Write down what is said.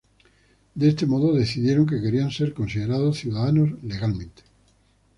De este modo, decidieron que querían ser considerados ciudadanos legalmente.